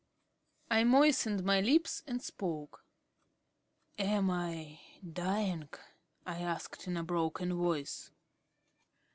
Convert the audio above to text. I moistened my lips and spoke. "Am I dying?" I asked in a broken voice.